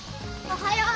おはよう。